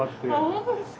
本当ですか？